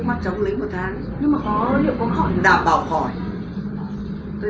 không để ngoài được đây